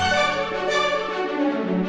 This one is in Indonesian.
ya allah kamu nak